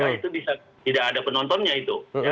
itu bisa tidak ada penontonnya itu